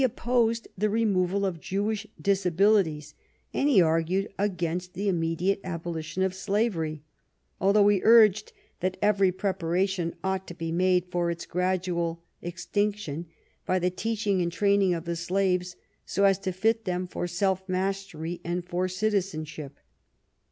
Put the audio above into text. v t ,NMS<, opposed the removal of Jewish disabilities, and he argued against the immediate abolition of slavery, although he urged that every preparation ought to be made for its gradual ex tinction by the teaching and training of the slaves so as to fit them for self mastery and for citizen ship.